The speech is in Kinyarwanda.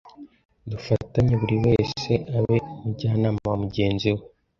dufatanye buri wese abe umujyanama wa mugenzi we.